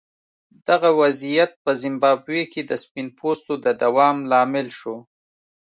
دغه وضعیت په زیمبابوې کې د سپین پوستو د دوام لامل شو.